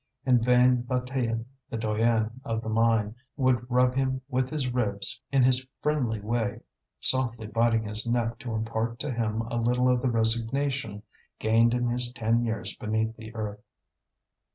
In vain Bataille, the doyen of the mine, would rub him with his ribs in his friendly way, softly biting his neck to impart to him a little of the resignation gained in his ten years beneath the earth.